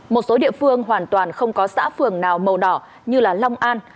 một số địa phương hoàn toàn không có xã phường nào màu đỏ như long an